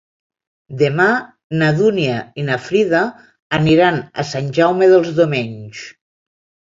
Demà na Dúnia i na Frida aniran a Sant Jaume dels Domenys.